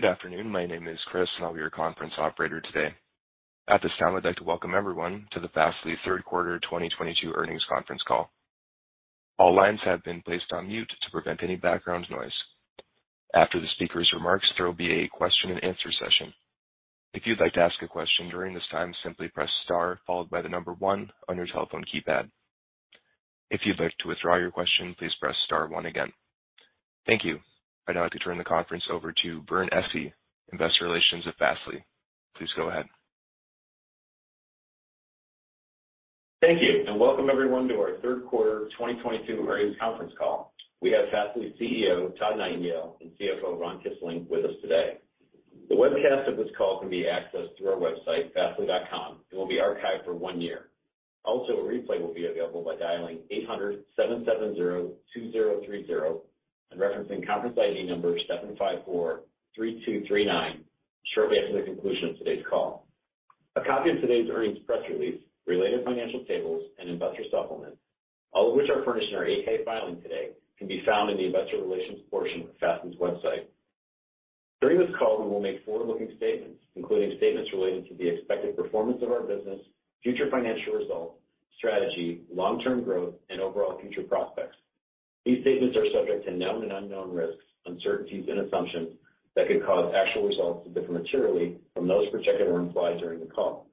Good afternoon. My name is Chris, and I'll be your conference operator today. At this time, I'd like to welcome everyone to the Fastly third quarter 2022 earnings conference call. All lines have been placed on mute to prevent any background noise. After the speaker's remarks, there will be a question and answer session. If you'd like to ask a question during this time, simply press star followed by the number one on your telephone keypad. If you'd like to withdraw your question, please press star one again. Thank you. I'd now like to turn the conference over to Vernon Essi, Investor Relations at Fastly. Please go ahead. Thank you, and welcome everyone to our third quarter 2022 earnings conference call. We have Fastly CEO, Todd Nightingale, and CFO, Ron Kisling, with us today. The webcast of this call can be accessed through our website, fastly.com. It will be archived for one year. Also, a replay will be available by dialing 800-770-2030 and referencing conference ID number 7543239 shortly after the conclusion of today's call. A copy of today's earnings press release, related financial tables, and investor supplement, all of which are furnished in our 8-K filing today, can be found in the investor relations portion of Fastly's website. During this call, we will make forward-looking statements, including statements related to the expected performance of our business, future financial results, strategy, long-term growth, and overall future prospects. These statements are subject to known and unknown risks, uncertainties, and assumptions that could cause actual results to differ materially from those projected or implied during the call.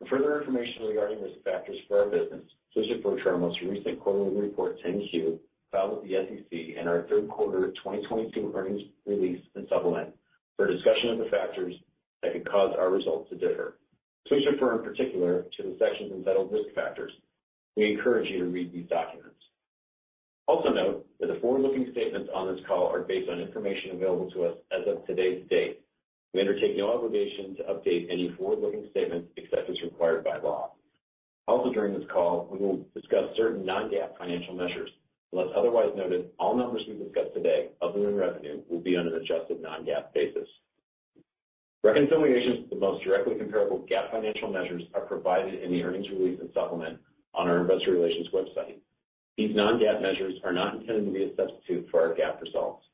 For further information regarding risk factors for our business, please refer to our most recent quarterly report 10-Q filed with the SEC in our third quarter of 2022 earnings release and supplement for a discussion of the factors that could cause our results to differ. Please refer in particular to the sections entitled Risk Factors. We encourage you to read these documents. Also note that the forward-looking statements on this call are based on information available to us as of today's date. We undertake no obligation to update any forward-looking statements except as required by law. Also during this call, we will discuss certain non-GAAP financial measures. Unless otherwise noted, all numbers we discuss today other than revenue will be on an adjusted non-GAAP basis. Reconciliations to the most directly comparable GAAP financial measures are provided in the earnings release and supplement on our investor relations website. These non-GAAP measures are not intended to be a substitute for our GAAP results.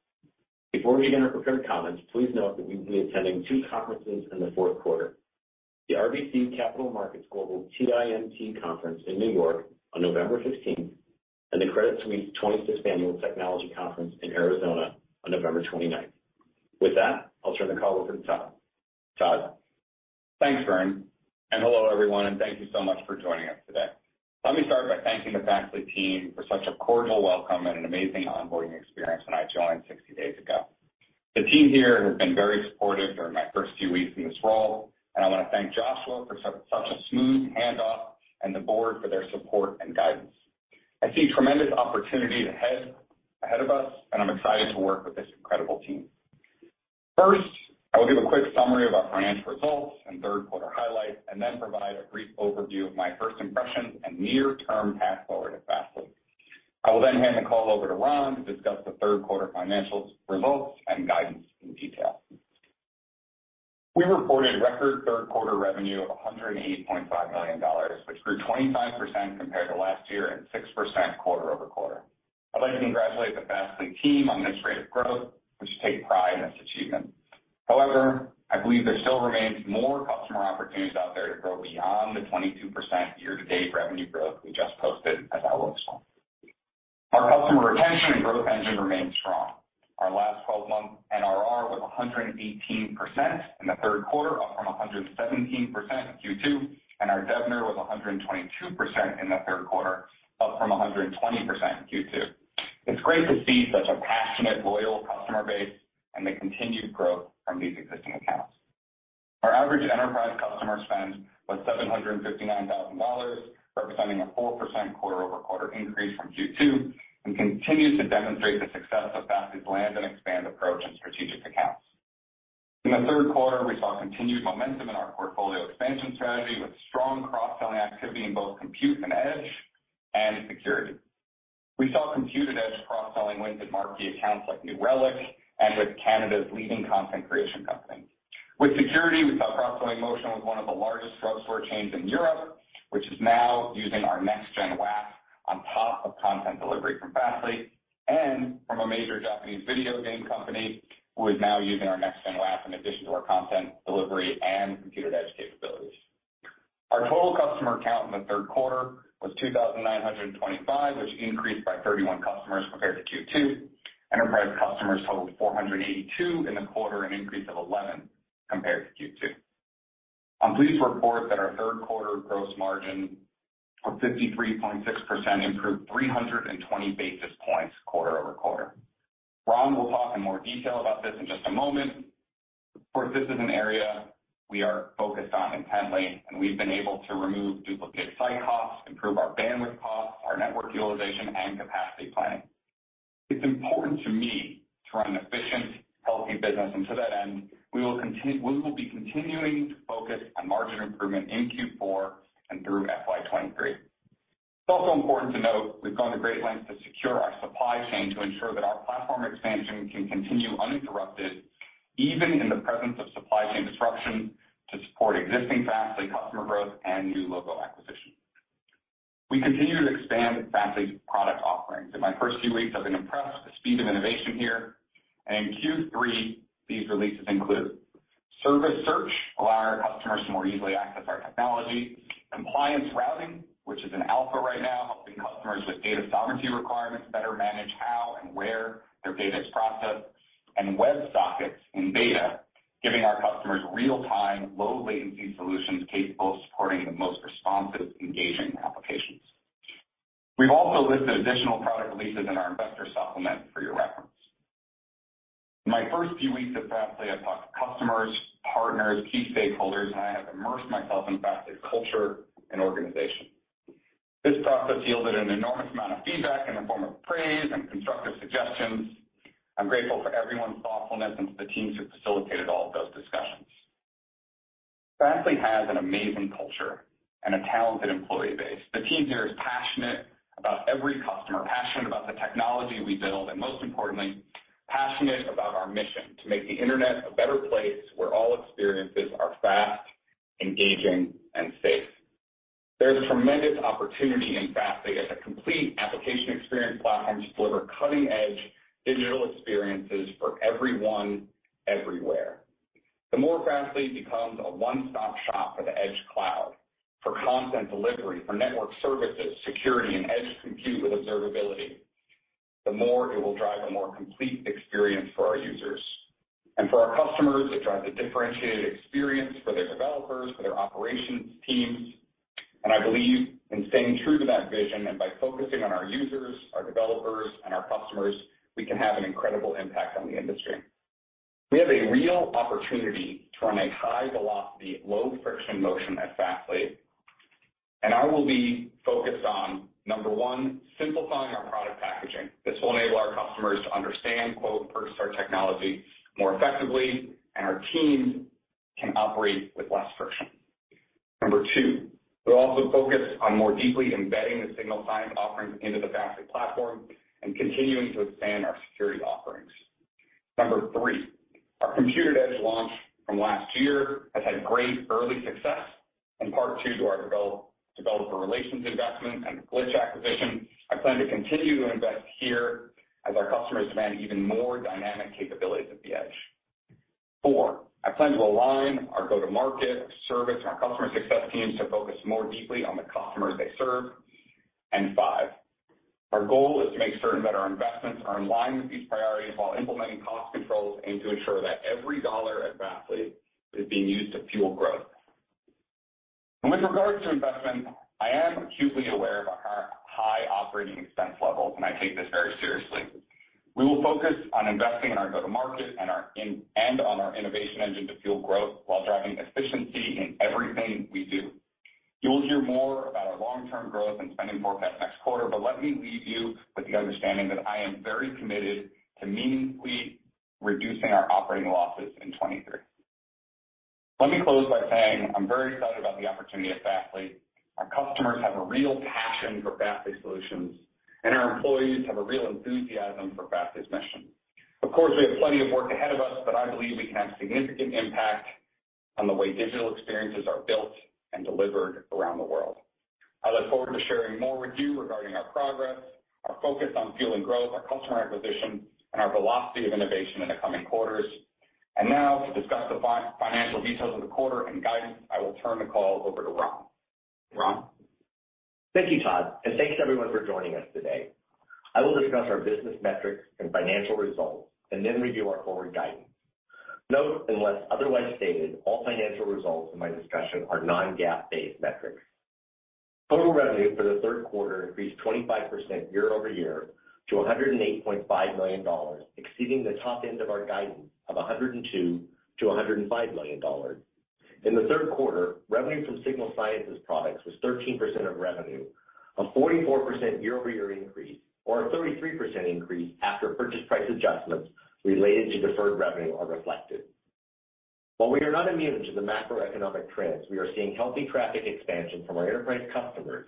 Before we begin our prepared comments, please note that we will be attending two conferences in the fourth quarter, the RBC Capital Markets Global TMT Conference in New York on November 15 and the Credit Suisse 26th Annual Technology Conference in Arizona on November 29. With that, I'll turn the call over to Todd. Todd? Thanks, Vern, and hello everyone, and thank you so much for joining us today. Let me start by thanking the Fastly team for such a cordial welcome and an amazing onboarding experience when I joined 60 days ago. The team here has been very supportive during my first few weeks in this role, and I want to thank Joshua for such a smooth handoff and the board for their support and guidance. I see tremendous opportunity ahead of us, and I'm excited to work with this incredible team. First, I will give a quick summary of our financial results and third quarter highlights and then provide a brief overview of my first impressions and near-term path forward at Fastly. I will then hand the call over to Ron to discuss the third quarter financial results and guidance in detail. We reported record third quarter revenue of $108.5 million, which grew 25% compared to last year and 6% quarter-over-quarter. I'd like to congratulate the Fastly team on this rate of growth, which you take pride in this achievement. However, I believe there still remains more customer opportunities out there to grow beyond the 22% year-to-date revenue growth we just posted as outlooks. Our customer retention and growth engine remains strong. Our last 12-month NRR was 118% in the third quarter, up from 117% in Q2, and our DBNR was 122% in the third quarter, up from 120% in Q2. It's great to see such a passionate, loyal customer base and the continued growth from these existing accounts. Our average enterprise customer spend was $759,000, representing a 4% quarter-over-quarter increase from Q2 and continues to demonstrate the success of Fastly's land and expand approach in strategic accounts. In the third quarter, we saw continued momentum in our portfolio expansion strategy with strong cross-selling activity in both Compute@Edge and Security. We saw Compute@Edge cross-selling wins with marquee accounts like New Relic and with Canada's leading content creation company. With Security, we saw cross-selling motion with one of the largest drugstore chains in Europe, which is now using our Next-Gen WAF on top of content delivery from Fastly and from a major Japanese video game company who is now using our Next-Gen WAF in addition to our content delivery and Compute@Edge capabilities. Our total customer count in the third quarter was 2,925, which increased by 31 customers compared to Q2. Enterprise customers totaled 482 in the quarter, an increase of 11% compared to Q2. I'm pleased to report that our third quarter gross margin of 53.6% improved 320 basis points quarter over quarter. Ron will talk in more detail about this in just a moment. Of course, this is an area we are focused on intently, and we've been able to remove duplicate site costs, improve our bandwidth costs, our network utilization, and capacity planning. It's important to me to run an efficient, healthy business, and to that end, we will be continuing to focus on margin improvement in Q4 and through FY 2023. It's also important to note we've gone to great lengths to secure our supply chain to ensure that our platform expansion can continue uninterrupted, even in the presence of supply chain disruption, to support existing Fastly customer growth and new logo acquisitions. We continue to expand Fastly's product offerings. In my first few weeks, I've been impressed with the speed of innovation here. In Q3, these releases include service search, allowing our customers to more easily access our technology, Compliance routing, which is in alpha right now, helping customers with data sovereignty requirements better manage how and where their data is processed, and WebSockets in beta, giving our customers real-time, low-latency solutions capable of supporting the most responsive, engaging applications. We've also listed additional product releases in our investor supplement for your reference. In my first few weeks at Fastly, I've talked to customers, partners, key stakeholders, and I have immersed myself in Fastly's culture and organization. This process yielded an enormous amount of feedback in the form of praise and constructive suggestions. I'm grateful for everyone's thoughtfulness and to the teams who facilitated all of those discussions. Fastly has an amazing culture and a talented employee base. The team here is passionate about every customer, passionate about the technology we build, and most importantly, passionate about our mission to make the Internet a better place where all experiences are fast, engaging, and safe. There is a tremendous opportunity in Fastly as a complete application experience platform to deliver cutting-edge digital experiences for everyone, everywhere. The more Fastly becomes a one-stop shop for the edge cloud, for content delivery, for network services, security and edge compute with observability, the more it will drive a more complete experience for our users. For our customers, it drives a differentiated experience for their developers, for their operations teams. I believe in staying true to that vision, and by focusing on our users, our developers, and our customers, we can have an incredible impact on the industry. We have a real opportunity to run a high velocity, low friction motion at Fastly, and I will be focused on, number one, simplifying our product packaging. This will enable our customers to understand, quote, "purchase our technology more effectively," and our team can operate with less friction. Number two, we're also focused on more deeply embedding the Signal Sciences offerings into the Fastly platform and continuing to expand our security offerings. Number three, our Compute@Edge launch from last year has had great early success and part two to our developer relations investment and Glitch acquisition. I plan to continue to invest here as our customers demand even more dynamic capabilities at the edge. Four, I plan to align our go-to-market service and our customer success teams to focus more deeply on the customers they serve. Five, our goal is to make certain that our investments are in line with these priorities while implementing cost controls, and to ensure that every dollar at Fastly is being used to fuel growth. With regards to investment, I am acutely aware of our high operating expense levels, and I take this very seriously. We will focus on investing in our go-to-market and on our innovation engine to fuel growth while driving efficiency in everything we do. You will hear more about our long-term growth and spending forecast next quarter, but let me leave you with the understanding that I am very committed to meaningfully reducing our operating losses in 2023. Let me close by saying I'm very excited about the opportunity at Fastly. Our customers have a real passion for Fastly's solutions, and our employees have a real enthusiasm for Fastly's mission. Of course, we have plenty of work ahead of us, but I believe we can have significant impact on the way digital experiences are built and delivered around the world. I look forward to sharing more with you regarding our progress, our focus on fueling growth, our customer acquisition, and our velocity of innovation in the coming quarters. Now, to discuss the financial details of the quarter and guidance, I will turn the call over to Ron. Ron? Thank you, Todd, and thanks everyone for joining us today. I will discuss our business metrics and financial results and then review our forward guidance. Note, unless otherwise stated, all financial results in my discussion are non-GAAP based metrics. Total revenue for the third quarter increased 25% year-over-year to $108.5 million, exceeding the top end of our guidance of $102 million-$105 million. In the third quarter, revenue from Signal Sciences products was 13% of revenue, a 44% year-over-year increase, or a 33% increase after purchase price adjustments related to deferred revenue are reflected. While we are not immune to the macroeconomic trends, we are seeing healthy traffic expansion from our enterprise customers.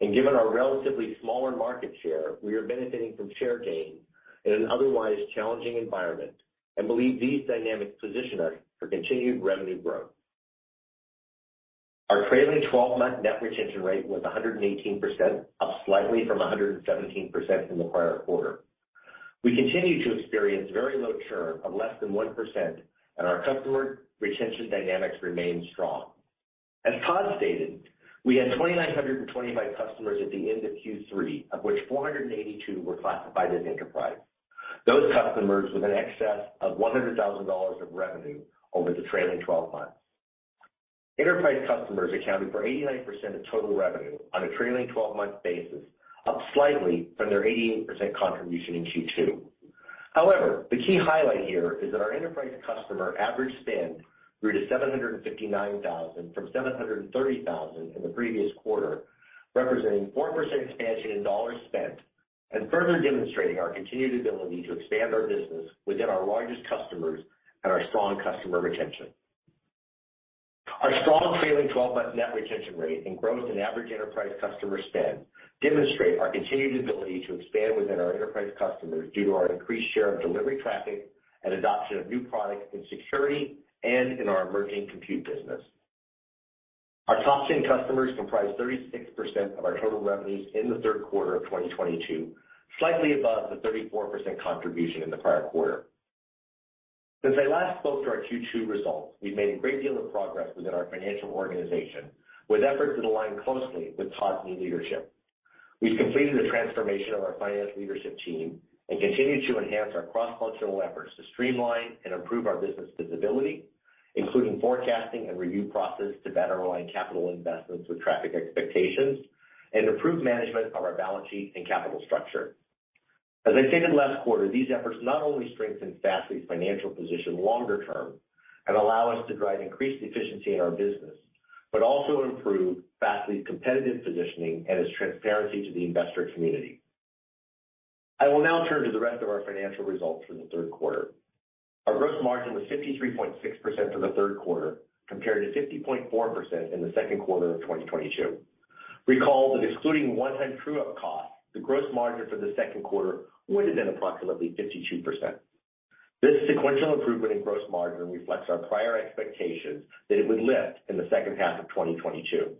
Given our relatively smaller market share, we are benefiting from share gain in an otherwise challenging environment and believe these dynamics position us for continued revenue growth. Our trailing 12-month net retention rate was 118%, up slightly from 117% in the prior quarter. We continue to experience very low churn of less than 1%, and our customer retention dynamics remain strong. As Todd stated, we had 2,925 customers at the end of Q3, of which 482 were classified as enterprise. Those customers with an excess of $100,000 of revenue over the trailing 12 months. Enterprise customers accounted for 89% of total revenue on a trailing 12-month basis, up slightly from their 88% contribution in Q2. However, the key highlight here is that our enterprise customer average spend grew to $759,000 from $730,000 in the previous quarter, representing 4% expansion in dollars spent, and further demonstrating our continued ability to expand our business within our largest customers and our strong customer retention. Our strong trailing 12-month net retention rate and growth in average enterprise customer spend. Demonstrate our continued ability to expand within our enterprise customers due to our increased share of delivery traffic and adoption of new products in security and in our emerging compute business. Our top tier customers comprise 36% of our total revenues in the third quarter of 2022, slightly above the 34% contribution in the prior quarter. Since I last spoke to our Q2 results, we've made a great deal of progress within our financial organization, with efforts that align closely with Todd's new leadership. We've completed the transformation of our finance leadership team and continue to enhance our cross-functional efforts to streamline and improve our business visibility, including forecasting and review process to better align capital investments with traffic expectations, and improve management of our balance sheet and capital structure. As I stated last quarter, these efforts not only strengthen Fastly's financial position longer term and allow us to drive increased efficiency in our business, but also improve Fastly's competitive positioning and its transparency to the investor community. I will now turn to the rest of our financial results for the third quarter. Our gross margin was 53.6% for the third quarter, compared to 50.4% in the second quarter of 2022. Recall that excluding one-time true-up costs, the gross margin for the second quarter would have been approximately 52%. This sequential improvement in gross margin reflects our prior expectations that it would lift in the second half of 2022.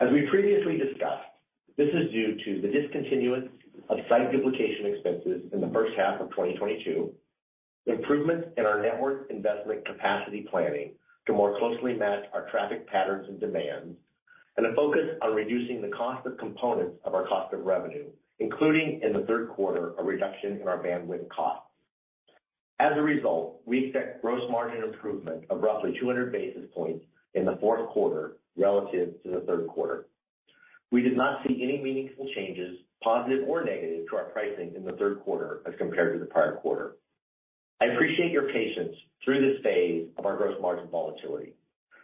As we previously discussed, this is due to the discontinuance of site duplication expenses in the first half of 2022, improvements in our network investment capacity planning to more closely match our traffic patterns and demands, and a focus on reducing the cost of components of our cost of revenue, including in the third quarter, a reduction in our bandwidth costs. As a result, we expect gross margin improvement of roughly 200 basis points in the fourth quarter relative to the third quarter. We did not see any meaningful changes, positive or negative, to our pricing in the third quarter as compared to the prior quarter. I appreciate your patience through this phase of our gross margin volatility.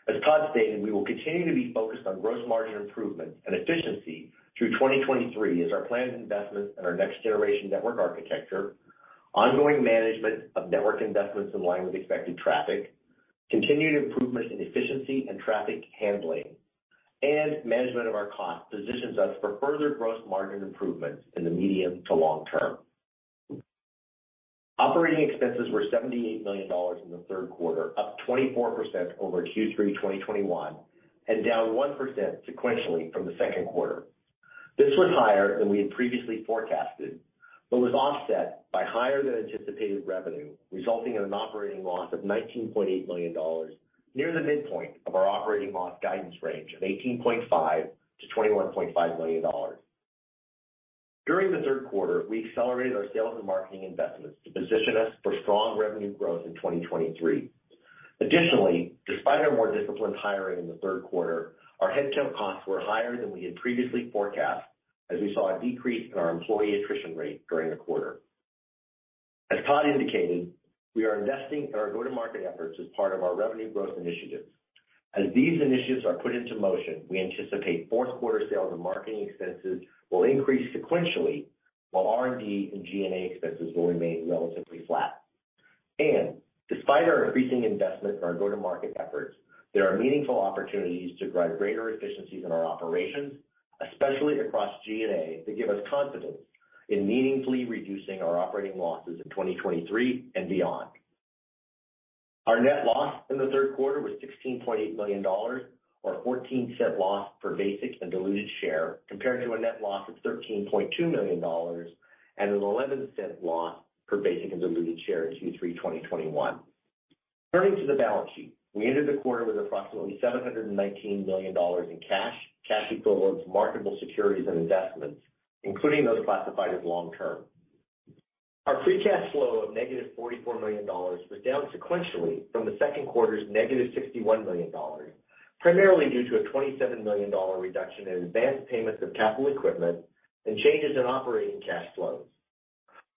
As Todd stated, we will continue to be focused on gross margin improvement and efficiency through 2023 as our planned investments in our next generation network architecture, ongoing management of network investments in line with expected traffic, continued improvements in efficiency and traffic handling, and management of our costs positions us for further gross margin improvements in the medium to long term. Operating expenses were $78 million in the third quarter, up 24% over Q3 2021, and down 1% sequentially from the second quarter. This was higher than we had previously forecasted, but was offset by higher than anticipated revenue, resulting in an operating loss of $19.8 million, near the midpoint of our operating loss guidance range of $18.5 million-$21.5 million. During the third quarter, we accelerated our sales and marketing investments to position us for strong revenue growth in 2023. Additionally, despite our more disciplined hiring in the third quarter, our headcount costs were higher than we had previously forecast as we saw a decrease in our employee attrition rate during the quarter. As Todd indicated, we are investing in our go-to-market efforts as part of our revenue growth initiatives. As these initiatives are put into motion, we anticipate fourth quarter sales and marketing expenses will increase sequentially, while R&D and G&A expenses will remain relatively flat. Despite our increasing investment in our go-to-market efforts, there are meaningful opportunities to drive greater efficiencies in our operations, especially across G&A, that give us confidence in meaningfully reducing our operating losses in 2023 and beyond. Our net loss in the third quarter was $16.8 million, or a $0.14 loss per basic and diluted share, compared to a net loss of $13.2 million and a $0.11 loss per basic and diluted share in Q3 2021. Turning to the balance sheet, we ended the quarter with approximately $719 million in cash equivalents, marketable securities and investments, including those classified as long-term. Our free cash flow of negative $44 million was down sequentially from the second quarter's negative $61 million, primarily due to a $27 million reduction in advance payments of capital equipment and changes in operating cash flows.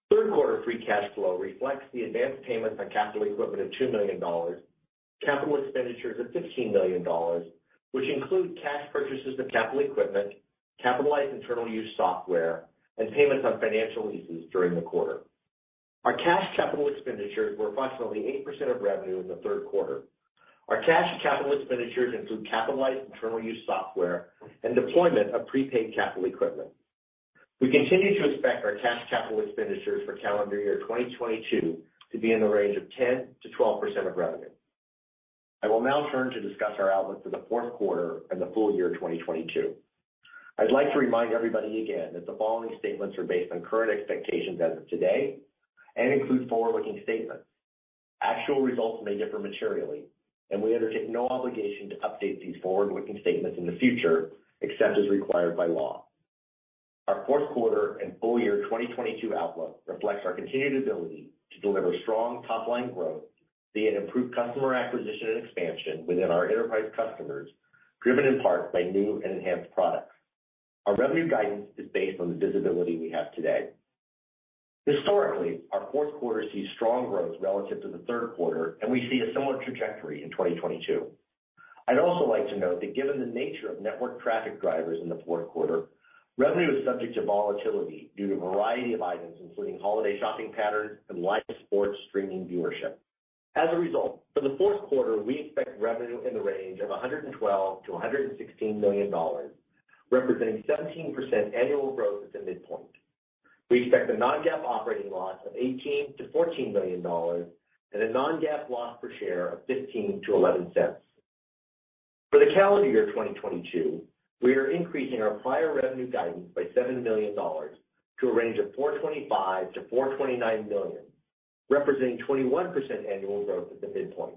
Third quarter free cash flow reflects the advance payments on capital equipment of $2 million, capital expenditures of $15 million, which include cash purchases of capital equipment, capitalized internal-use software, and payments on finance leases during the quarter. Our cash capital expenditures were approximately 8% of revenue in the third quarter. Our cash capital expenditures include capitalized internal-use software and deployment of prepaid capital equipment. We continue to expect our cash capital expenditures for calendar year 2022 to be in the range of 10%-12% of revenue. I will now turn to discuss our outlook for the fourth quarter and the full year 2022. I'd like to remind everybody again that the following statements are based on current expectations as of today and include forward-looking statements. Actual results may differ materially, and we undertake no obligation to update these forward-looking statements in the future except as required by law. Our fourth quarter and full year 2022 outlook reflects our continued ability to deliver strong top-line growth via improved customer acquisition and expansion within our enterprise customers, driven in part by new and enhanced products. Our revenue guidance is based on the visibility we have today. Historically, our fourth quarter sees strong growth relative to the third quarter, and we see a similar trajectory in 2022. I'd also like to note that given the nature of network traffic drivers in the fourth quarter, revenue is subject to volatility due to a variety of items, including holiday shopping patterns and live sports streaming viewership. As a result, for the fourth quarter, we expect revenue in the range of $112 million-$116 million, representing 17% annual growth at the midpoint. We expect a non-GAAP operating loss of $18 million-$14 million and a non-GAAP loss per share of $0.15-$0.11. For the calendar year 2022, we are increasing our prior revenue guidance by $7 million to a range of $425 million-$429 million, representing 21% annual growth at the midpoint.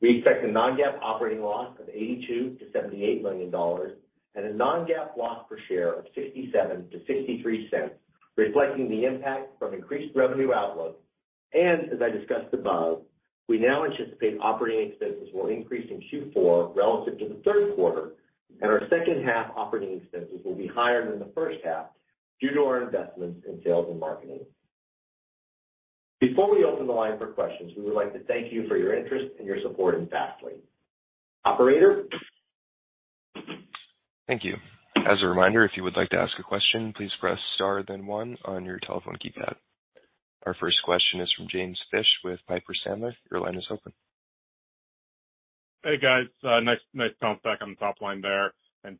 We expect a non-GAAP operating loss of $82 million-$78 million and a non-GAAP loss per share of $0.67-$0.63, reflecting the impact from increased revenue outlook. As I discussed above, we now anticipate operating expenses will increase in Q4 relative to the third quarter, and our second half operating expenses will be higher than the first half due to our investments in sales and marketing. Before we open the line for questions, we would like to thank you for your interest and your support in Fastly. Operator. Thank you. As a reminder, if you would like to ask a question, please press star then one on your telephone keypad. Our first question is from James Fish with Piper Sandler. Your line is open. Hey, guys. Nice jump back on the top line there.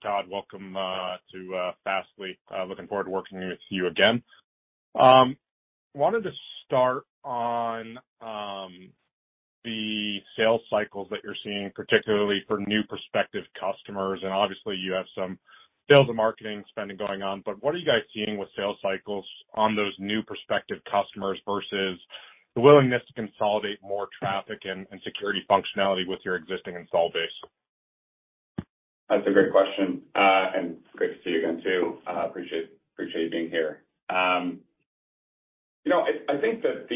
Todd, welcome to Fastly. Looking forward to working with you again. Wanted to start on the sales cycles that you're seeing, particularly for new prospective customers, and obviously you have some sales and marketing spending going on, but what are you guys seeing with sales cycles on those new prospective customers versus the willingness to consolidate more traffic and security functionality with your existing install base? That's a great question. Great to see you again too. Appreciate you being here. You know, I think that,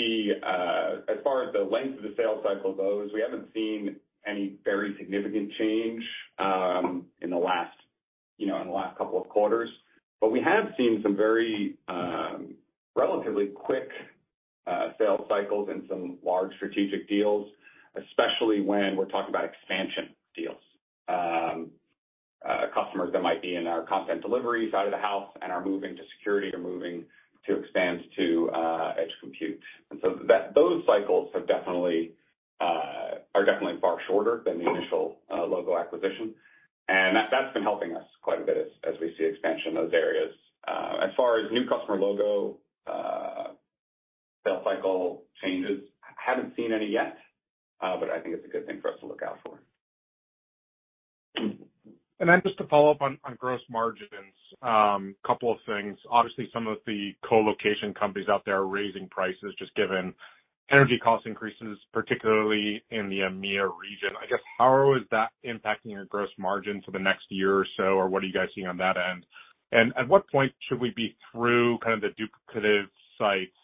as far as the length of the sales cycle goes, we haven't seen any very significant change in the last, you know, in the last couple of quarters. We have seen some very relatively quick sales cycles and some large strategic deals, especially when we're talking about expansion deals. Customers that might be in our content delivery side of the house and are moving to security or moving to expand to Edge Compute. Those cycles are definitely far shorter than the initial logo acquisition. That's been helping us quite a bit as we see expansion in those areas. As far as new customer logo sales cycle changes, haven't seen any yet, but I think it's a good thing for us to look out for. Then just to follow up on gross margins. A couple of things. Obviously, some of the co-location companies out there are raising prices just given energy cost increases, particularly in the EMEA region. I guess, how is that impacting your gross margin for the next year or so, or what are you guys seeing on that end? At what point should we be through kind of the duplicative sites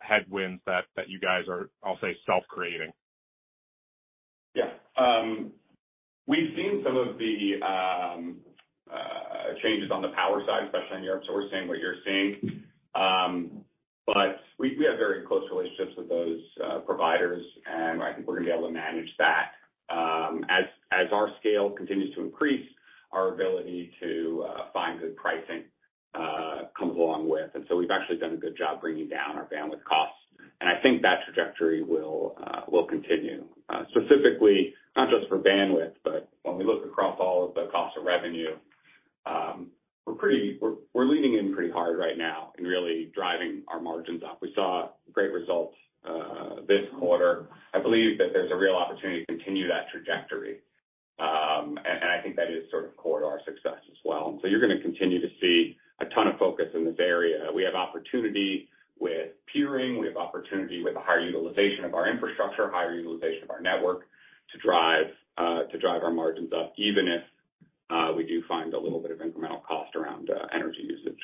headwinds that you guys are, I'll say, self-creating? Yeah. We've seen some of the changes on the power side, especially in Europe. We're seeing what you're seeing. We have very close relationships with those providers, and I think we're gonna be able to manage that. As our scale continues to increase, our ability to find good pricing comes along with. We've actually done a good job bringing down our bandwidth costs. I think that trajectory will continue, specifically not just for bandwidth, but when we look across all of the cost of revenue, we're leaning in pretty hard right now and really driving our margins up. We saw great results this quarter. I believe that there's a real opportunity to continue that trajectory. I think that is sort of core to our success as well. You're gonna continue to see a ton of focus in this area. We have opportunity with peering. We have opportunity with the higher utilization of our infrastructure, higher utilization of our network to drive our margins up, even if we do find a little bit of incremental cost around energy usage.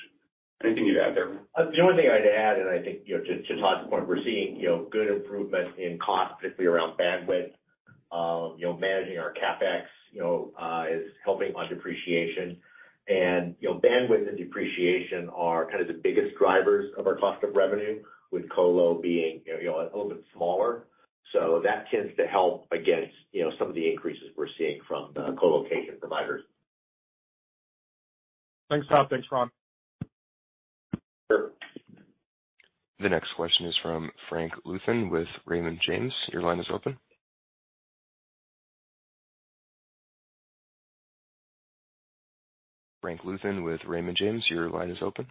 Anything you'd add there? The only thing I'd add, and I think, you know, to Todd's point, we're seeing, you know, good improvement in cost, particularly around bandwidth. You know, managing our CapEx, you know, is helping on depreciation. You know, bandwidth and depreciation are kind of the biggest drivers of our cost of revenue, with co-lo being, you know, a little bit smaller. That tends to help against, you know, some of the increases we're seeing from the co-location providers. Thanks, Todd. Thanks, Ron. Sure. The next question is from Frank Louthan with Raymond James. Your line is open. Frank Louthan with Raymond James, your line is open.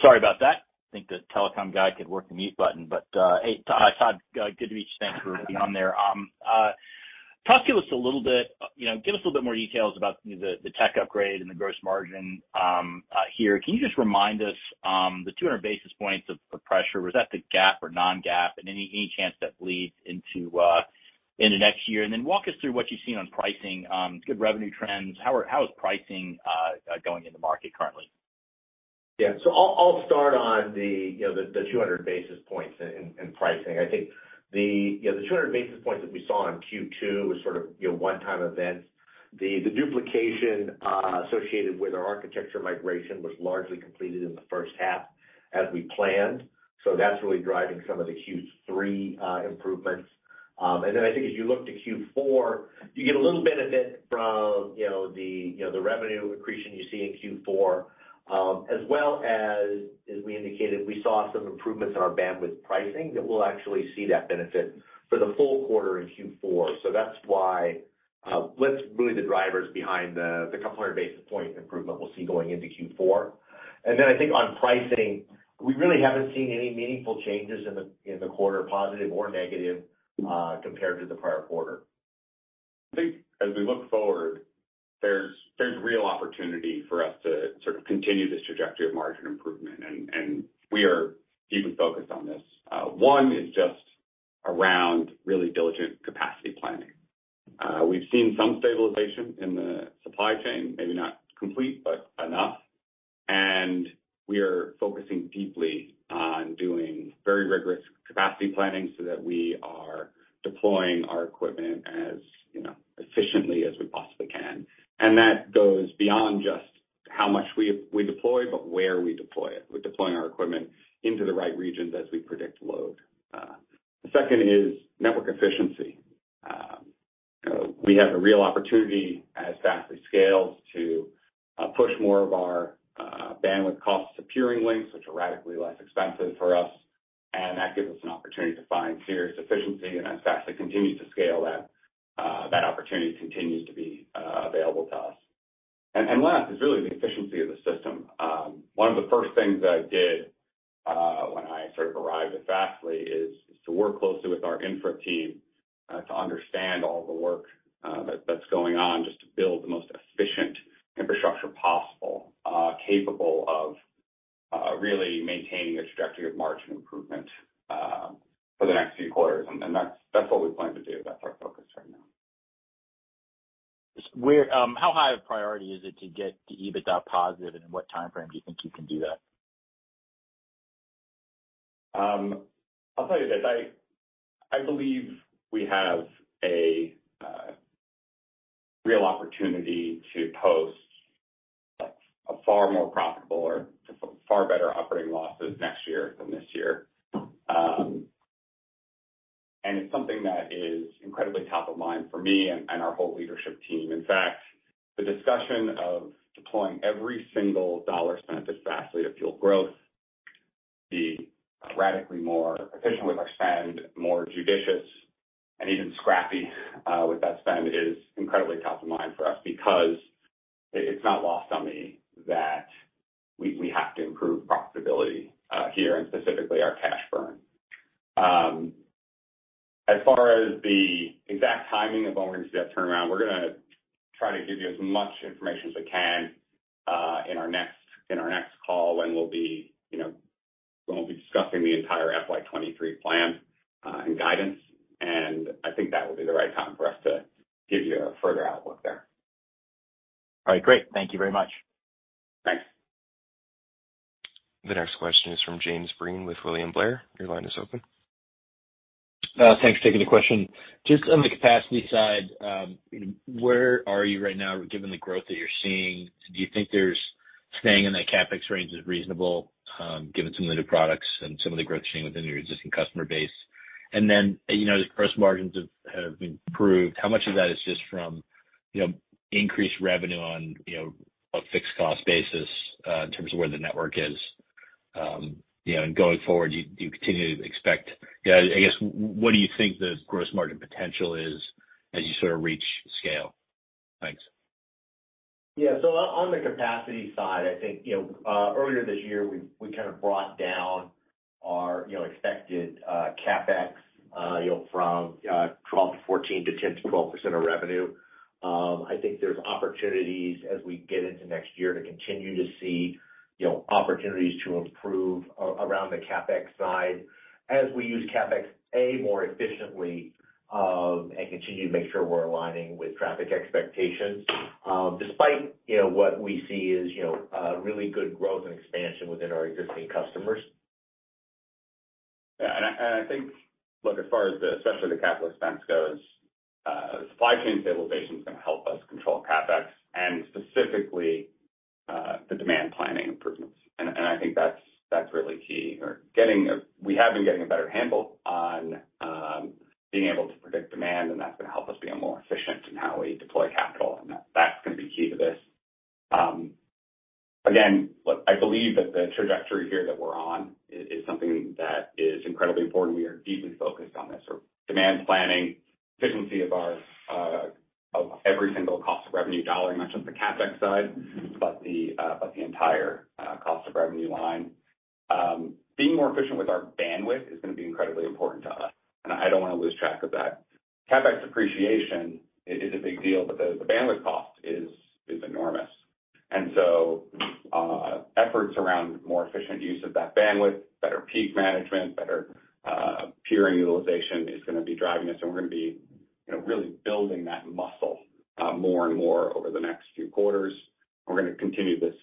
Sorry about that. I think the telecom guy could work the mute button. Hey, Todd, thanks for being on there. Talk to us a little bit, you know, give us a little bit more details about the tech upgrade and the gross margin here. Can you just remind us, the 200 basis points of pressure, was that the GAAP or non-GAAP? Any chance that bleeds into next year? Then walk us through what you've seen on pricing, good revenue trends. How is pricing going in the market currently? Yeah. I'll start on the 200 basis points and pricing. I think the 200 basis points that we saw in Q2 was a one-time event. The duplication associated with our architecture migration was largely completed in the first half as we planned. That's really driving some of the Q3 improvements. I think as you look to Q4, you get a little benefit from the revenue accretion you see in Q4. As well as we indicated, we saw some improvements in our bandwidth pricing that we'll actually see that benefit for the full quarter in Q4. That's why that's really the drivers behind the couple hundred basis point improvement we'll see going into Q4. I think on pricing, we really haven't seen any meaningful changes in the quarter, positive or negative, compared to the prior quarter. I think as we look forward, there's real opportunity for us to sort of continue this trajectory of margin improvement, and we are deeply focused on this. One is just around really diligent capacity planning. We've seen some stabilization in the supply chain, maybe not complete, but enough. We are focusing deeply on doing very rigorous capacity planning so that we are deploying our equipment as, you know, efficiently as we possibly can. That goes beyond just how much we deploy, but where we deploy it. We're deploying our equipment into the right regions as we predict load. The second is network efficiency. We have a real opportunity as Fastly scales to push more of our bandwidth costs to peering links, which are radically less expensive for us, and that gives us an opportunity to find serious efficiency. As Fastly continues to scale that opportunity continues to be available to us. Last is really the efficiency of the system. One of the first things I did when I sort of arrived at Fastly is to work closely with our infra team to understand all the work that's going on, just to build the most efficient infrastructure possible, capable of really maintaining a trajectory of margin improvement for the next few quarters, and that's what we plan to do. That's our focus right now. How high of priority is it to get to EBITDA positive, and what timeframe do you think you can do that? I'll tell you this. I believe we have a real opportunity to post like a far more profitable or far better operating losses next year than this year. It's something that is incredibly top of mind for me and our whole leadership team. In fact, the discussion of deploying every single dollar spent at Fastly to fuel growth, be radically more efficient with our spend, more judicious and even scrappy with that spend is incredibly top of mind for us. Because it's not lost on me that we have to improve profitability here, and specifically our cash burn. As far as the exact timing of when we're going to see that turnaround, we're gonna try to give you as much information as we can in our next call when we'll be, you know, discussing the entire FY 2023 plan and guidance, and I think that will be the right time for us to give you a further outlook there. All right, great. Thank you very much. Thanks. The next question is from James Breen with William Blair. Your line is open. Thanks for taking the question. Just on the capacity side, where are you right now, given the growth that you're seeing? Do you think staying in that CapEx range is reasonable, given some of the new products and some of the growth you're seeing within your existing customer base? You know, as gross margins have improved, how much of that is just from, you know, increased revenue on, you know, a fixed cost basis, in terms of where the network is? You know, going forward, what do you think the gross margin potential is as you sort of reach scale? Thanks. On the capacity side, I think you know earlier this year we kind of brought down our you know expected CapEx you know from 12%-14% to 10%-12% of revenue. I think there's opportunities as we get into next year to continue to see you know opportunities to improve around the CapEx side as we use CapEx more efficiently and continue to make sure we're aligning with traffic expectations. Despite you know what we see as you know really good growth and expansion within our existing customers. Yeah, I think, look, as far as especially the capital expense goes, supply chain stabilization is gonna help us control CapEx and specifically the demand planning improvements. I think that's really key. We have been getting a better handle on being able to predict demand, and that's gonna help us be more efficient in how we deploy capital, and that's gonna be key to this. Again, look, I believe that the trajectory here that we're on is something that is incredibly important. We are deeply focused on this. Demand planning, efficiency of every single cost of revenue dollar, not just the CapEx side, but the entire cost of revenue line. Being more efficient with our bandwidth is gonna be incredibly important to us, and I don't wanna lose track of that. CapEx depreciation is a big deal, but the bandwidth cost is enormous. Efforts around more efficient use of that bandwidth, better peak management, better peering utilization is gonna be driving this, and we're gonna be, you know, really building that muscle more and more over the next few quarters. We're gonna continue this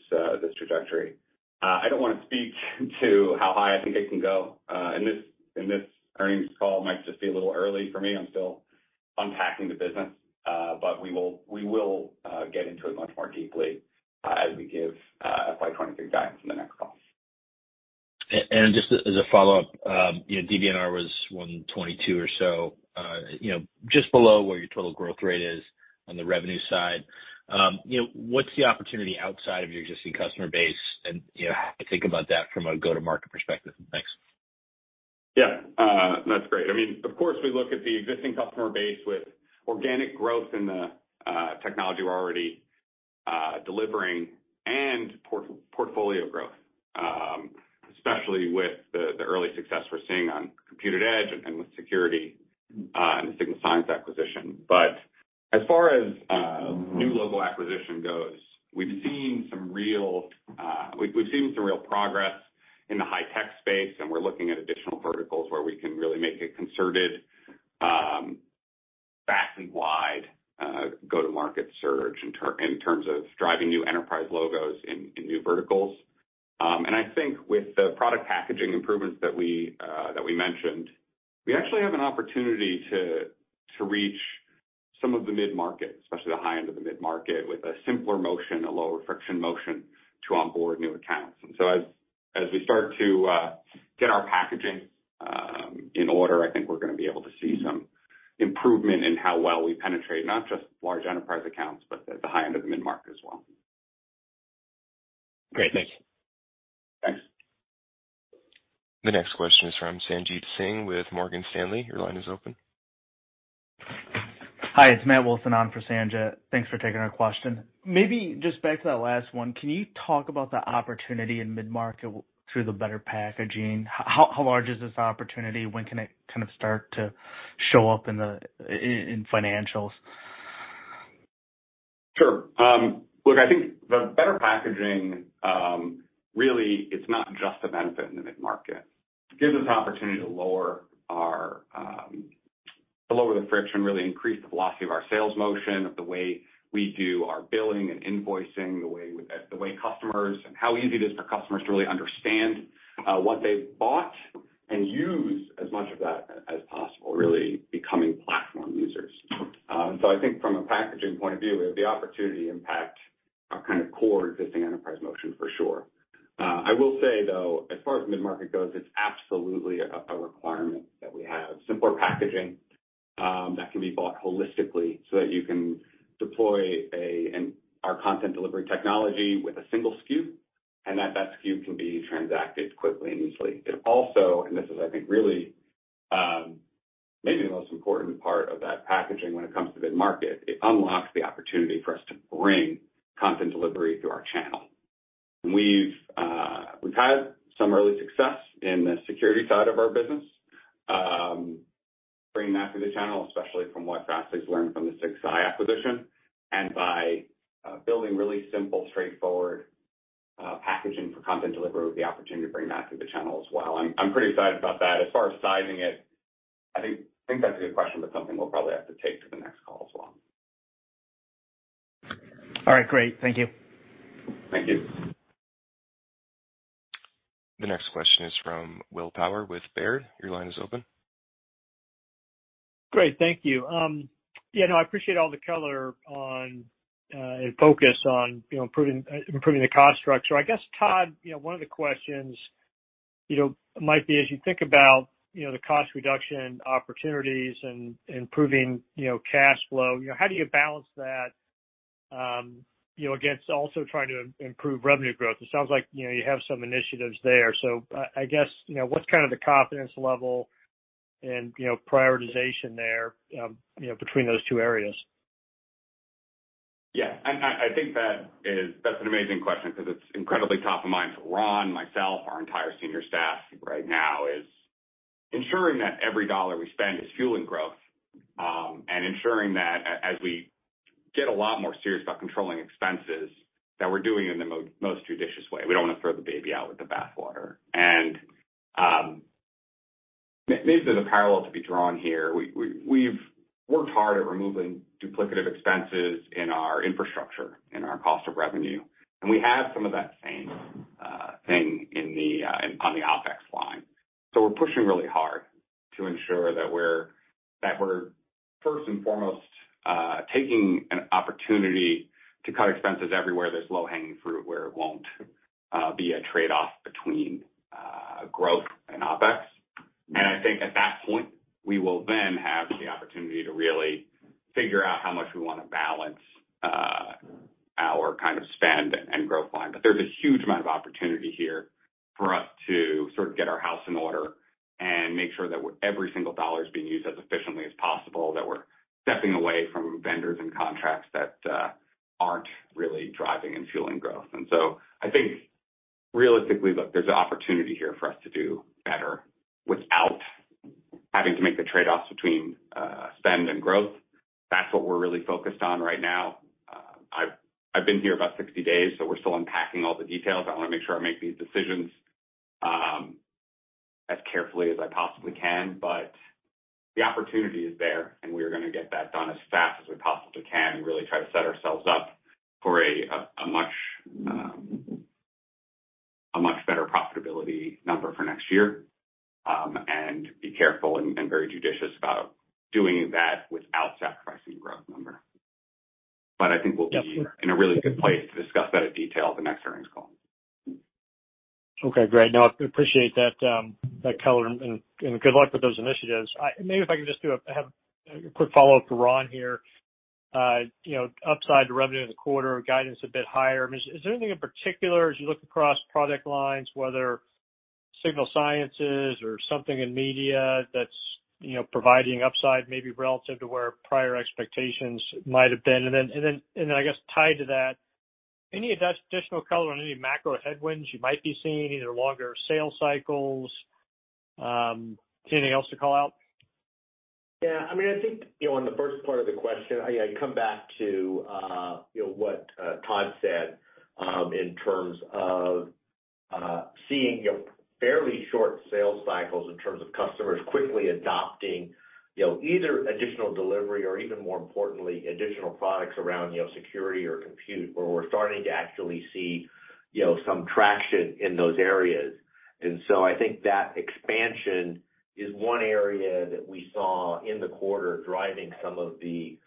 trajectory. I don't wanna speak to how high I think it can go in this earnings call. It might just be a little early for me. I'm still unpacking the business. We will get into it much more deeply as we give FY 2023 guidance in the next call. Just as a follow-up, you know, DBNER was 122 or so, you know, just below where your total growth rate is on the revenue side. You know, what's the opportunity outside of your existing customer base, and you know, how to think about that from a go-to-market perspective? Thanks. Yeah. That's great. I mean, of course, we look at the existing customer base with organic growth in the technology we're already delivering and portfolio growth. Especially with the early success we're seeing on Compute@Edge and with security and the Signal Sciences acquisition. As far as new logo acquisition goes, we've seen some real progress in the high-tech space, and we're looking at additional verticals where we can really make a concerted fast and wide go-to-market search in terms of driving new enterprise logos in new verticals. I think with the product packaging improvements that we mentioned, we actually have an opportunity to reach some of the mid-market, especially the high end of the mid-market, with a simpler motion, a lower friction motion to onboard new accounts. As we start to get our packaging in order, I think we're gonna be able to see some improvement in how well we penetrate, not just large enterprise accounts, but at the high end of the mid-market as well. Great. Thank you. Thanks. The next question is from Sanjit Singh with Morgan Stanley. Your line is open. Hi, it's Matt Wilson on for Sanjit. Thanks for taking our question. Maybe just back to that last one. Can you talk about the opportunity in mid-market through the better packaging? How large is this opportunity? When can it kind of start to show up in the financials? Sure. Look, I think the better packaging, really it's not just a benefit in the mid-market. It gives us an opportunity to lower the friction, really increase the velocity of our sales motion, of the way we do our billing and invoicing, the way customers and how easy it is for customers to really understand what they've bought and use as much of that as possible, really becoming platform users. I think from a packaging point of view, it would be opportunity impact our kind of core existing enterprise motion for sure. I will say, though, as far as mid-market goes, it's absolutely a requirement that we have simpler packaging that can be bought holistically so that you can deploy our content delivery technology with a single SKU, and that SKU can be transacted quickly and easily. It also, and this is, I think, really, maybe the most important part of that packaging when it comes to mid-market, it unlocks the opportunity for us to bring content delivery through our channel. We've had some early success in the security side of our business, bringing that through the channel, especially from what Fastly's learned from the Signal Sciences acquisition. By building really simple, straightforward packaging for content delivery with the opportunity to bring that through the channel as well. I'm pretty excited about that. As far as sizing it, I think that's a good question, but something we'll probably have to take to the next call as well. All right, great. Thank you. Thank you. The next question is from William Power with Baird. Your line is open. Great. Thank you. Yeah, no, I appreciate all the color on and focus on, you know, improving the cost structure. I guess, Todd, you know, one of the questions, you know, might be as you think about, you know, the cost reduction opportunities and improving, you know, cash flow, you know, how do you balance that, you know, against also trying to improve revenue growth? It sounds like, you know, you have some initiatives there. I guess, you know, what's kind of the confidence level and, you know, prioritization there, you know, between those two areas? Yeah. I think that's an amazing question 'cause it's incredibly top of mind for Ron, myself, our entire senior staff right now is ensuring that every dollar we spend is fueling growth, and ensuring that as we get a lot more serious about controlling expenses, that we're doing it in the most judicious way. We don't wanna throw the baby out with the bath water. Maybe there's a parallel to be drawn here. We've worked hard at removing duplicative expenses in our infrastructure, in our cost of revenue, and we have some of that same thing in, on the OpEx line. We're pushing really hard to ensure that we're first and foremost taking an opportunity to cut expenses everywhere there's low-hanging fruit where it won't be a trade-off between growth and OpEx. I think at that point, we will then have the opportunity to really figure out how much we wanna balance our kind of spend and growth line. There's a huge amount of opportunity here for us to sort of get our house in order and make sure that every single dollar is being used as efficiently as possible, that we're stepping away from vendors and contracts that aren't really driving and fueling growth. I think realistically, look, there's an opportunity here for us to do better without having to make the trade-offs between spend and growth. That's what we're really focused on right now. I've been here about 60 days, so we're still unpacking all the details. I wanna make sure I make these decisions as carefully as I possibly can. The opportunity is there, and we're gonna get that done as fast as we possibly can and really try to set ourselves up for a much better profitability number for next year. Be careful and very judicious about doing that without sacrificing growth number. I think we'll be- Yeah. ...in a really good place to discuss that in detail at the next earnings call. Okay, great. No, I appreciate that color and good luck with those initiatives. I have a quick follow-up to Ron here. You know, upside to revenue in the quarter, guidance a bit higher. I mean, is there anything in particular as you look across product lines, whether Signal Sciences or something in media that's, you know, providing upside maybe relative to where prior expectations might have been? And then I guess tied to that, any additional color on any macro headwinds you might be seeing, either longer sales cycles, anything else to call out? Yeah, I mean, I think, you know, on the first part of the question, I come back to, you know, what Todd said, in terms of, seeing, you know, fairly short sales cycles in terms of customers quickly adopting, you know, either additional delivery or even more importantly, additional products around, you know, security or compute, where we're starting to actually see, you know, some traction in those areas. I think that expansion is one area that we saw in the quarter driving some of the,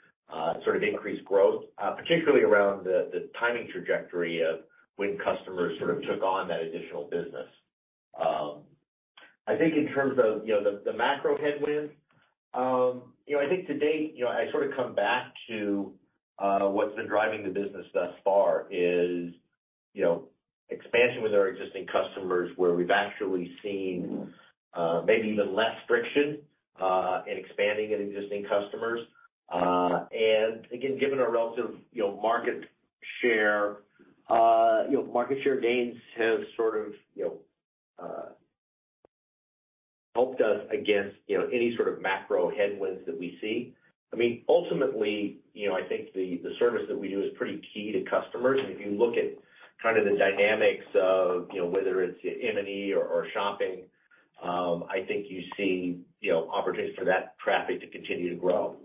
sort of increased growth, particularly around the timing trajectory of when customers sort of took on that additional business. I think in terms of, you know, the macro headwinds, you know, I think to date, you know, I sort of come back to, what's been driving the business thus far is, you know, expansion with our existing customers, where we've actually seen, maybe even less friction, in expanding in existing customers. Again, given our relative, you know, market share, you know, market share gains have sort of, you know, helped us against, you know, any sort of macro headwinds that we see. I mean, ultimately, you know, I think the service that we do is pretty key to customers. If you look at kind of the dynamics of, you know, whether it's M&E or shopping, I think you see, you know, opportunities for that traffic to continue to grow.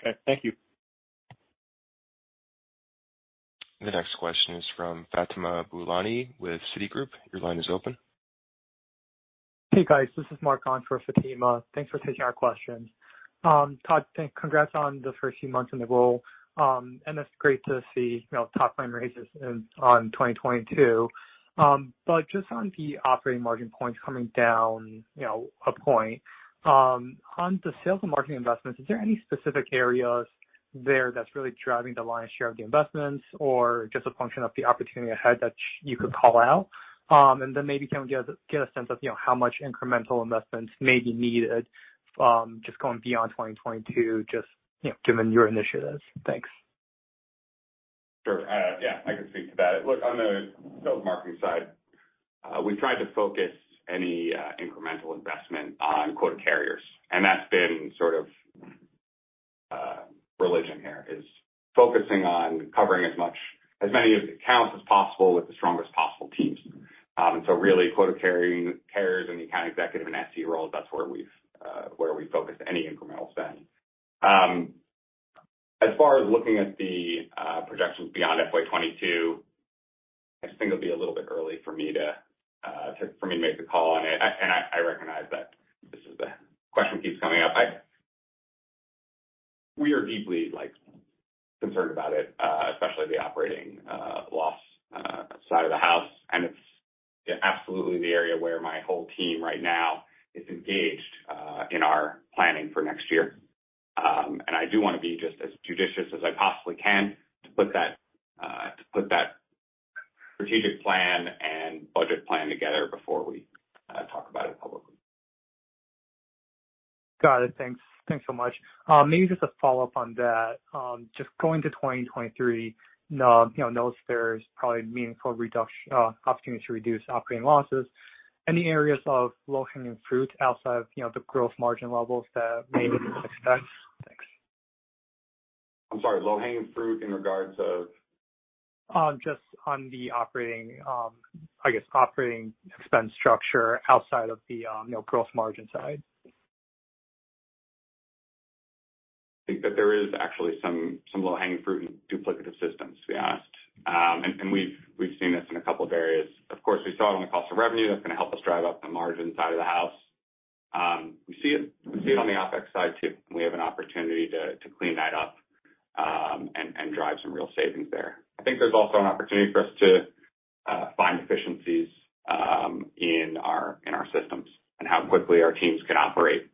Okay. Thank you. The next question is from Fatima Boolani with Citigroup. Your line is open. Hey, guys. This is Mark on for Fatima. Thanks for taking our questions. Todd, congrats on the first few months in the role. It's great to see, you know, top line raises on 2022. Just on the operating margin points coming down, you know, a point, on the sales and marketing investments, is there any specific areas there that's really driving the lion's share of the investments or just a function of the opportunity ahead that you could call out? Maybe can we get a sense of, you know, how much incremental investments may be needed, just going beyond 2022, just, you know, given your initiatives? Thanks. Sure. Yeah, I can speak to that. Look, on the sales and marketing side, we've tried to focus any incremental investment on quota carriers, and that's been sort of religion here, is focusing on covering as many of the accounts as possible with the strongest possible teams. Really, quota carriers and the account executive and SE roles, that's where we focus any incremental spend. As far as looking at the projections beyond FY 2022, I just think it'll be a little bit early for me to make the call on it. I recognize that this is a question keeps coming up. We are deeply, like, concerned about it, especially the operating loss side of the house. It's, yeah, absolutely the area where my whole team right now is engaged in our planning for next year. I do wanna be just as judicious as I possibly can to put that strategic plan and budget plan together before we talk about it publicly. Got it. Thanks. Thanks so much. Maybe just a follow-up on that. Just going to 2023, you know, there's probably meaningful reduction opportunity to reduce operating losses. Any areas of low-hanging fruit outside of, you know, the growth margin levels that maybe we can expect? Thanks. I'm sorry, low-hanging fruit in regards of? Just on the operating, I guess, operating expense structure outside of the, you know, gross margin side. I think that there is actually some low-hanging fruit in duplicative systems, yes. We’ve seen this in a couple of areas. Of course, we saw it on the cost of revenue. That’s gonna help us drive up the margin side of the house. We see it on the OpEx side too, and we have an opportunity to clean that up, and drive some real savings there. I think there’s also an opportunity for us to find efficiencies in our systems and how quickly our teams can operate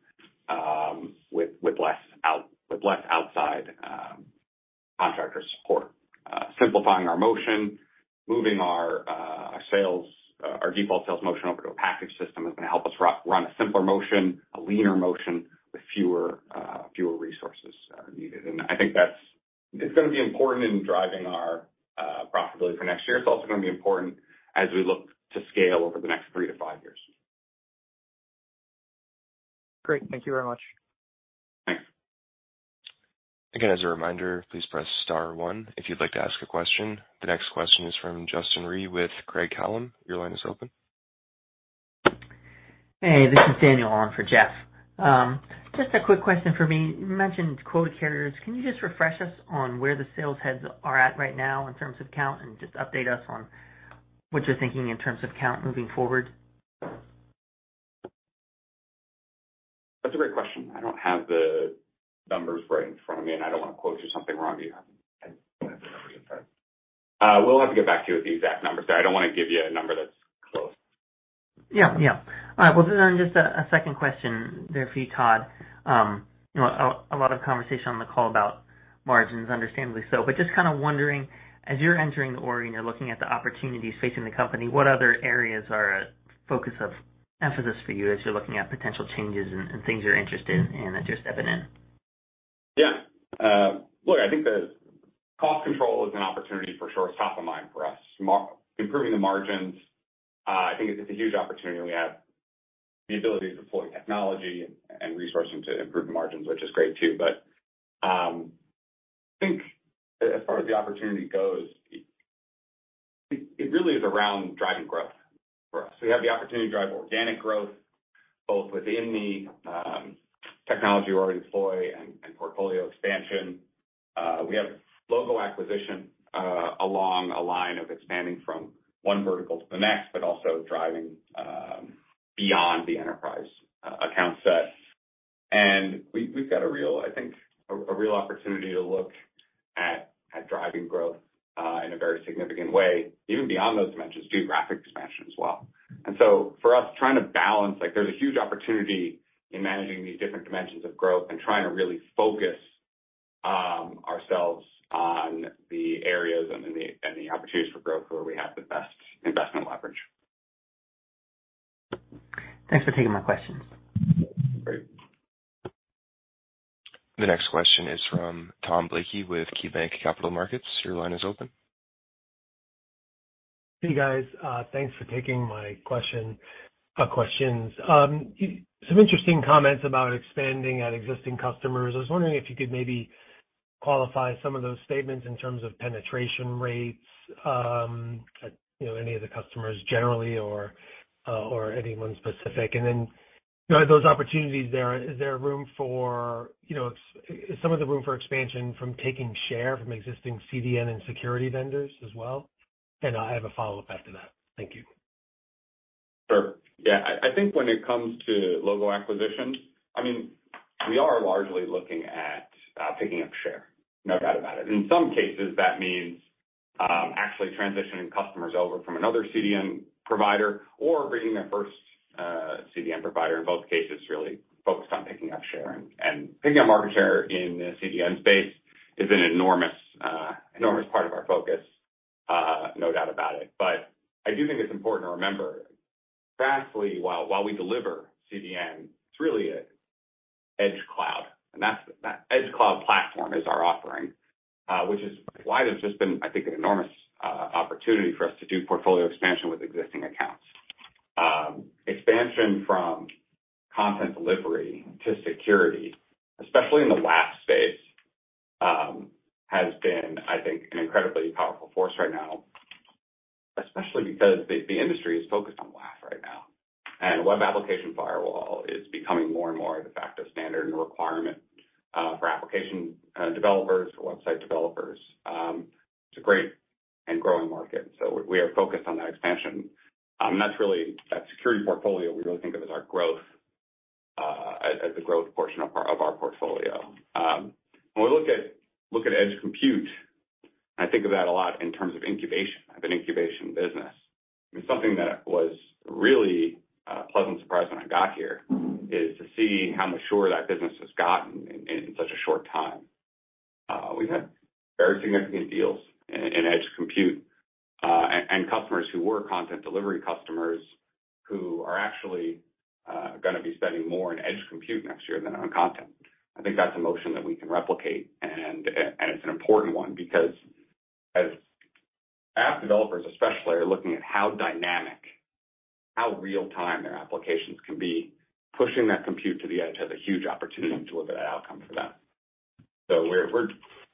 with less outside contractor support. Simplifying our motion, moving our sales, our default sales motion over to a package system is gonna help us run a simpler motion, a leaner motion with fewer resources needed. I think that's. It's gonna be important in driving our profitability for next year. It's also gonna be important as we look to scale over the next 3 years-5 years. Great. Thank you very much. Thanks. Again, as a reminder, please press star one if you'd like to ask a question. The next question is from Justin R with Craig-Hallum. Your line is open. Hey, this is Daniel on for Jeff. Just a quick question for me. You mentioned quota carriers. Can you just refresh us on where the sales heads are at right now in terms of count and just update us on what you're thinking in terms of count moving forward? That's a great question. I don't have the numbers right in front of me, and I don't wanna quote you something wrong here. We'll have to get back to you with the exact numbers there. I don't wanna give you a number that's close. Yeah. All right. Well, then, just a second question there for you, Todd. You know, a lot of conversation on the call about margins, understandably so. Just kinda wondering, as you're entering the order and you're looking at the opportunities facing the company, what other areas are a focus of emphasis for you as you're looking at potential changes and things you're interested in as you're stepping in? Yeah. Look, I think the cost control is an opportunity for sure. It's top of mind for us. Improving the margins, I think it's a huge opportunity, and we have the ability to deploy technology and resourcing to improve the margins, which is great too. I think as far as the opportunity goes, it really is around driving growth for us. We have the opportunity to drive organic growth, both within the technology we already deploy and portfolio expansion. We have logo acquisition along a line of expanding from one vertical to the next, but also driving beyond the enterprise account set. We have a real opportunity to look at driving growth in a very significant way, even beyond those dimensions, geographic expansion as well. For us, trying to balance, like, there's a huge opportunity in managing these different dimensions of growth and trying to really focus ourselves on the areas and the opportunities for growth where we have the best investment leverage. Thanks for taking my questions. Great. The next question is from Tom Blakey with KeyBanc Capital Markets. Your line is open. Hey, guys. Thanks for taking my questions. Some interesting comments about expanding on existing customers. I was wondering if you could maybe qualify some of those statements in terms of penetration rates, you know, any of the customers generally or any one specific. You know, are those opportunities there? Is there some room for expansion from taking share from existing CDN and security vendors as well? I have a follow-up after that. Thank you. Sure. Yeah. I think when it comes to logo acquisition, I mean, we are largely looking at picking up share. No doubt about it. In some cases, that means actually transitioning customers over from another CDN provider or bringing their first CDN provider. In both cases, really focused on picking up share. Picking up market share in the CDN space is an enormous part of our focus, no doubt about it. I do think it's important to remember, Fastly, while we deliver CDN, it's really an edge cloud, and that edge cloud platform is our offering, which is why there's just been, I think, an enormous opportunity for us to do portfolio expansion with existing accounts. Expansion from content delivery to security, especially in the WAF space, has been, I think, an incredibly powerful force right now, especially because the industry is focused on WAF right now. Web application firewall is becoming more and more the de facto standard and requirement for application developers, for website developers. It's a great and growing market, so we are focused on that expansion. That's really, that security portfolio, we really think of as our growth, as the growth portion of our portfolio. When we look at Edge Compute, I think of that a lot in terms of incubation, of an incubation business. It's something that was really a pleasant surprise when I got here, is to see how mature that business has gotten in such a short time. We've had very significant deals in Edge Compute, and customers who were content delivery customers who are actually gonna be spending more in Edge Compute next year than on content. I think that's a motion that we can replicate and it's an important one because as app developers especially are looking at how dynamic, how real-time their applications can be, pushing that compute to the edge has a huge opportunity to deliver that outcome for them. We're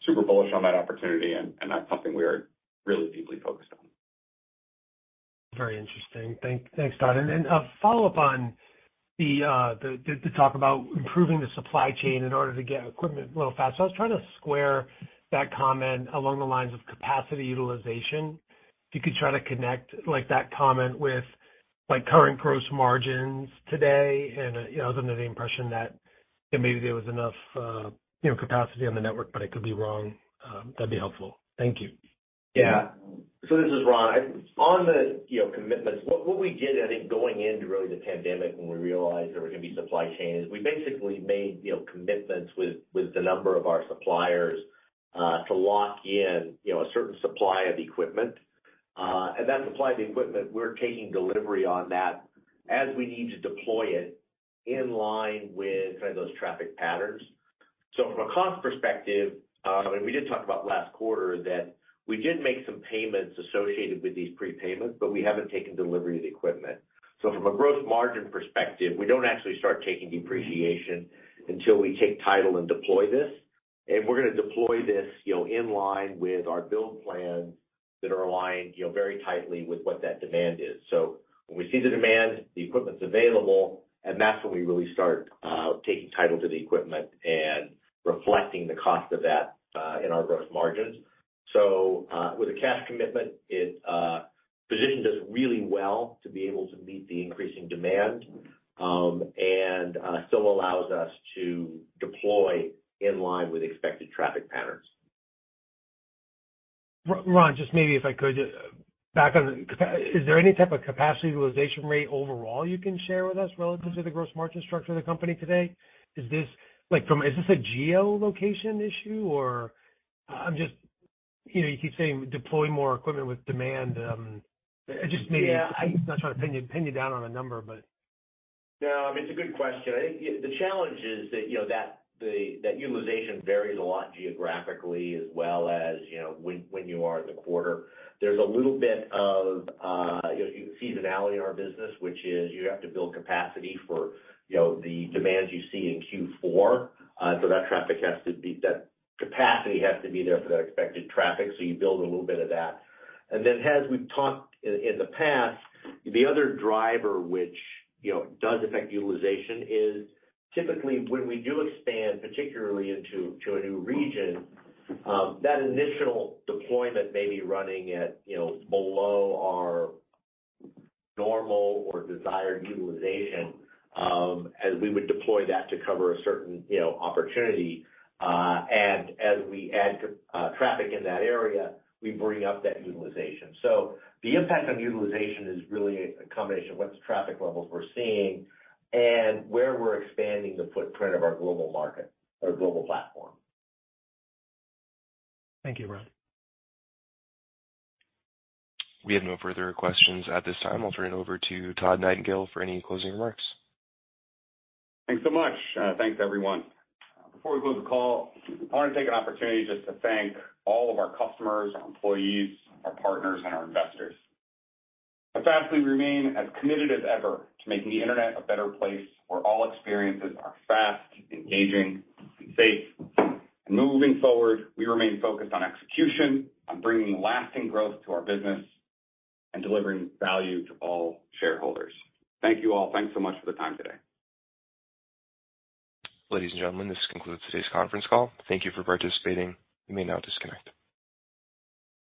super bullish on that opportunity and that's something we are really deeply focused on. Very interesting. Thanks, Todd. A follow-up on the talk about improving the supply chain in order to get equipment a little faster. I was trying to square that comment along the lines of capacity utilization. If you could try to connect like that comment with like current gross margins today and, you know, I was under the impression that maybe there was enough, you know, capacity on the network, but I could be wrong. That'd be helpful. Thank you. Yeah. This is Ron. On the, you know, commitments, what we did, I think, going into really the pandemic when we realized there were gonna be supply chain issues, we basically made, you know, commitments with the number of our suppliers to lock in, you know, a certain supply of equipment. That supply of the equipment, we're taking delivery on that as we need to deploy it in line with kind of those traffic patterns. From a cost perspective, we did talk about last quarter that we did make some payments associated with these prepayments, but we haven't taken delivery of the equipment. From a gross margin perspective, we don't actually start taking depreciation until we take title and deploy this. We're gonna deploy this, you know, in line with our build plans that are aligned, you know, very tightly with what that demand is. When we see the demand, the equipment's available, and that's when we really start taking title to the equipment and reflecting the cost of that in our gross margins. With the cash commitment, it positions us really well to be able to meet the increasing demand, and still allows us to deploy in line with expected traffic patterns. Ron, just maybe if I could back on. Is there any type of capacity utilization rate overall you can share with us relative to the gross margin structure of the company today? Is this like from. Is this a geo-location issue or. I'm just, you know, you keep saying deploy more equipment with demand. Just maybe. Yeah. I'm not trying to pin you down on a number, but. No, I mean, it's a good question. I think the challenge is that, you know, that utilization varies a lot geographically as well as, you know, when you are in the quarter. There's a little bit of seasonality in our business, which is you have to build capacity for, you know, the demands you see in Q4. So that capacity has to be there for the expected traffic, so you build a little bit of that. As we've talked in the past, the other driver which, you know, does affect utilization is typically when we do expand, particularly into a new region, that initial deployment may be running at, you know, below our normal or desired utilization, as we would deploy that to cover a certain, you know, opportunity. As we add traffic in that area, we bring up that utilization. The impact on utilization is really a combination of what traffic levels we're seeing and where we're expanding the footprint of our global market or global platform. Thank you, Ron. We have no further questions at this time. I'll turn it over to Todd Nightingale for any closing remarks. Thanks so much. Thanks everyone. Before we close the call, I want to take an opportunity just to thank all of our customers, our employees, our partners, and our investors. At Fastly, we remain as committed as ever to making the Internet a better place where all experiences are fast, engaging, and safe. Moving forward, we remain focused on execution, on bringing lasting growth to our business, and delivering value to all shareholders. Thank you all. Thanks so much for the time today. Ladies and gentlemen, this concludes today's conference call. Thank you for participating. You may now disconnect.